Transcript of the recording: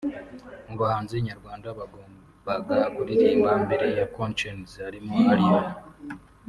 Mu bahanzi nyarwanda bagombaga kuririmba mbere ya Konshens harimo Allioni